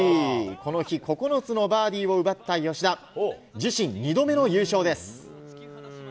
この日、９つのバーディーを奪った吉田、自身２度目の優勝です。